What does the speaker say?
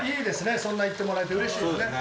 そんな言ってもらえてうれしいですね。